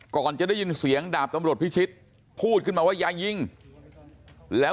ก่อนจะได้ยินเสียงดาบตำรวจพิชิตพูดขึ้นมาว่าอย่ายิงแล้ว